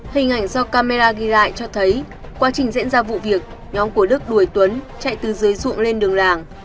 hình ảnh do camera ghi lại cho thấy quá trình diễn ra vụ việc nhóm của đức đuổi tuấn chạy từ dưới ruộng lên đường làng